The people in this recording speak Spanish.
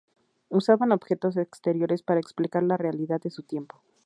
Usaban objetos exteriores para explicar la realidad de su tiempo.